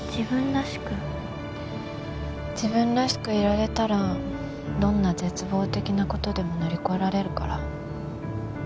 自分らしくいられたらどんな絶望的な事でも乗り越えられるから。